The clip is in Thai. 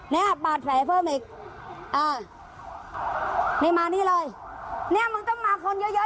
เนี้ยบาดแผลเพิ่มอีกอ่านี่มานี่เลยเนี้ยมึงต้องมาคนเยอะเยอะ